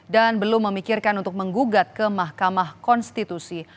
dan belum memikirkan untuk menggugat ke mahkamah konstitusi